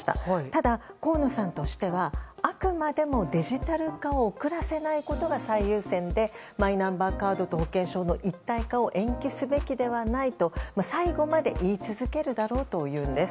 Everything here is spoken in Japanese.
ただ、河野さんとしてはあくまでもデジタル化を遅らせないことが最優先でマイナンバーカードと保険証の一体化を延期すべきではないと最後まで言い続けるだろうというんです。